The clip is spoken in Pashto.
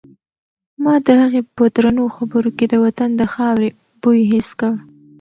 ما د هغې په درنو خبرو کې د وطن د خاورې بوی حس کړ.